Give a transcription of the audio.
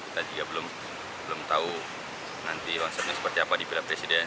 kita juga belum tahu nanti konsepnya seperti apa di pilihan presiden